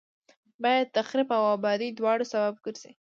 باد د تخریب او آبادي دواړو سبب ګرځي